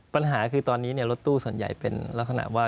ปัญหาคือตอนนี้รถตู้ส่วนใหญ่เป็นลักษณะว่า